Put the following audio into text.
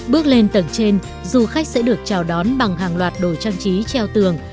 bước lên tầng trên du khách sẽ được chào đón bằng hàng loạt đồ trang trí treo tường